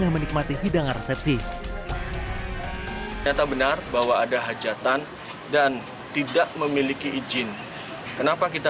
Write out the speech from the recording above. menikmati hidangan resepsi nyata benar bahwa ada hajatan dan tidak memiliki izin kenapa kita